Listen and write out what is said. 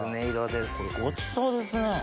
これごちそうですね！